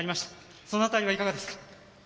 その辺りはいかがですか？